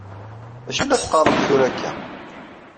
D acu i la teqqaṛemt tura akka?